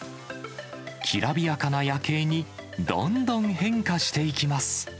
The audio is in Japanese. きらびやかな夜景に、どんどん変化していきます。